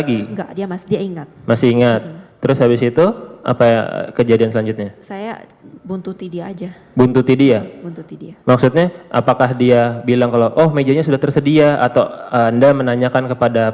iya itu bajunya